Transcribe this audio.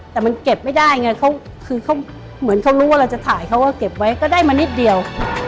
แต่มันเก็บไม่ได้ไงเขาคือเขาเหมือนเขารู้ว่าเราจะถ่ายเขาก็เก็บไว้ก็ได้มานิดเดียว